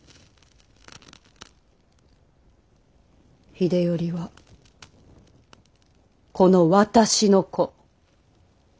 秀頼はこの私の子。